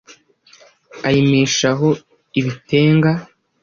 Ayimishaho ibitenga